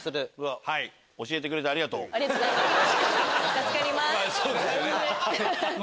助かります。